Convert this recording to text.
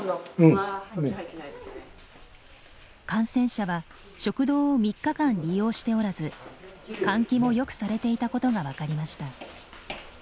感染者は食堂を３日間利用しておらず換気もよくされていたことが分かりました。